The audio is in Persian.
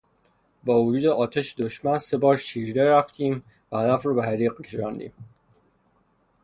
با وجود آتش دشمن سه بار شیرجه رفتیم و هدف را به حریق کشاندیم.